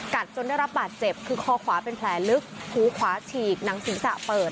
จนได้รับบาดเจ็บคือคอขวาเป็นแผลลึกหูขวาฉีกหนังศีรษะเปิด